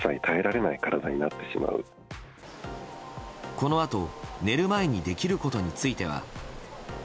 このあと寝る前にできることについては。